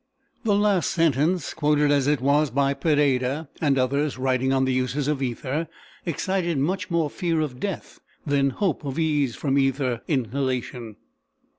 The last sentence, quoted as it was by Pereira and others writing on the uses of ether, excited much more fear of death than hope of ease from ether inhalation.